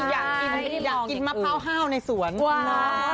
อยากกินมะพร้าวห้าวในสวน